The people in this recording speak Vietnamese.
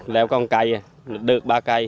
leo có một cây được ba cây